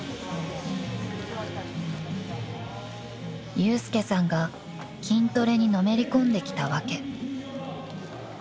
［祐介さんが筋トレにのめり込んできた訳］